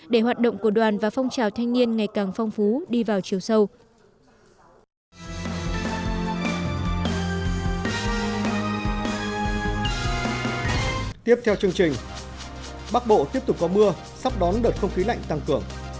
để hoạt động của đoàn và phong trào thanh niên ngày càng phong phú đi vào chiều sâu